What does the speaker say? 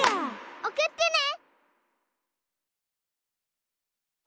おくってね！